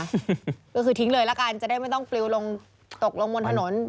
ก็คือทิ้งเลยละกันจะได้ไม่ต้องปลิวลงตกลงบนถนน